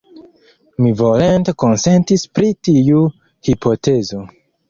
Mi volonte konsentis pri tiu hipotezo.